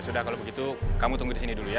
sudah kalau begitu kamu tunggu di sini dulu ya